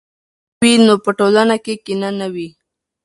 که انصاف وي نو په ټولنه کې کینه نه وي.